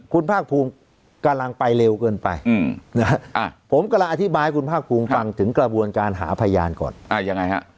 คุณภาคภูมิกำลังไปเร็วเกินไปผมกำลังอธิบายให้คุณภาคภูมิฟังถึงกระบวนการหาพยานก่อนยังไงฮะ